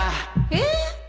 えっ？